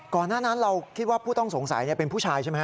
หน้านั้นเราคิดว่าผู้ต้องสงสัยเป็นผู้ชายใช่ไหมฮ